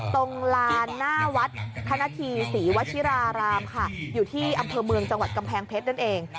ตรงลานหน้าวัดธนธีศรีวชิรารามค่ะอยู่ที่อำเภอเมืองจังหวัดกำแพงเพชรนั่นเอง